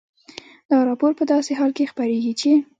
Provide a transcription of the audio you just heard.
دا راپور په داسې حال کې خپرېږي چې